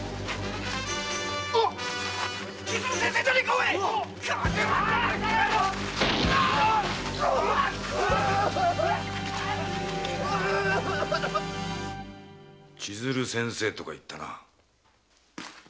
おいっ⁉千鶴先生とかいったな。